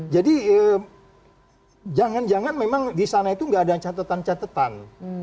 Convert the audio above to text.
jadi jangan jangan memang di sana itu gak ada catatan catatan